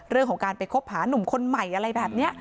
เรื่องของการไปคบหานุ่มคนใหม่อะไรแบบนี้